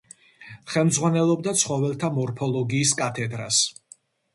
ხელმძღვანელობდა ცხოველთა მორფოლოგიის კათედრას.